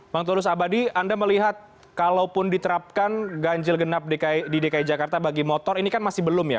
bang tulus abadi anda melihat kalaupun diterapkan ganjil genap di dki jakarta bagi motor ini kan masih belum ya